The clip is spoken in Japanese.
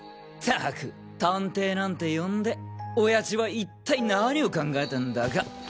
ったく探偵なんて呼んで親父は一体何を考えてんだか。